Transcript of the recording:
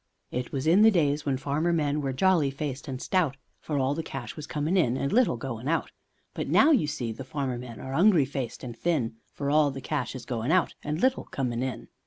It was in the days when farmer men were jolly faced and stout, For all the cash was comin' in and little goin' out, But now, you see, the farmer men are 'ungry faced and thin, For all the cash is goin' out and little comin' in.